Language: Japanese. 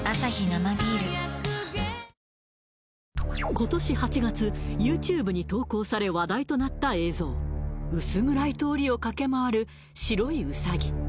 今年８月ＹｏｕＴｕｂｅに投稿され話題となった映像薄暗い通りを駆け回る白いウサギ